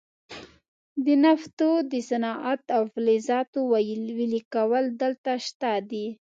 د نفتو د صنعت او فلزاتو ویلې کول دلته شته دي.